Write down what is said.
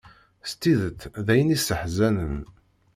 S tidet d ayen isseḥzanen.